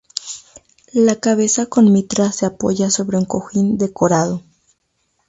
La cabeza con mitra se apoya sobre un cojín decorado.